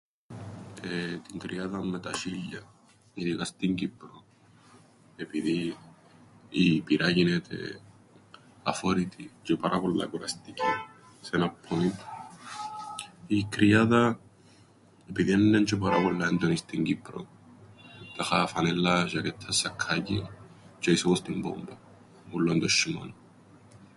Εεε... την κρυάδαν με τα σ̆ίλια, ειδικά στην Κύπρον, επειδή η πυρά γίνεται αφόρητη τζ̆αι πάρα πολλά κουραστική σ' έναν ππόιντ. Η κρυάδα, επειδή έννεν' τζ̆αι πάρα πολλά έντονη στην Κύπρον, τάχα φανέλλαν, ζ̆ακέτταν, σακκάκιν, τζ̆αι είσαι όπως την πόμπαν, ούλλον τον σ̆ειμώναν.